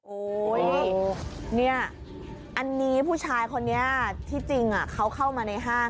เนี่ยอันนี้ผู้ชายคนนี้ที่จริงเขาเข้ามาในห้าง